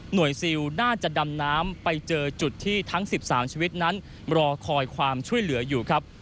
ซิลน่าจะดำน้ำไปเจอจุดที่ทั้ง๑๓ชีวิตนั้นรอคอยความช่วยเหลืออยู่ครับ